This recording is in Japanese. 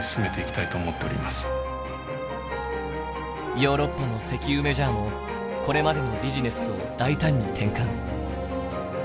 ヨーロッパの石油メジャーもこれまでのビジネスを大胆に転換。